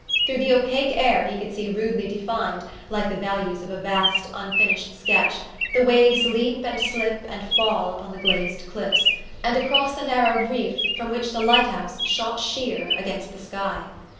Through the opaque air he could see rudely denned, like the values of a vast, unfin ished sketch, the waves leap and slip and fall upon the glazed cliffs, and across the narrow reef from which the light house shot sheer against the sky.